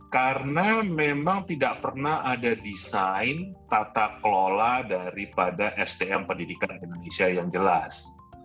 karena memang tidak pernah ada desain tata kelola daripada sdm pendidikan indonesia yang jelas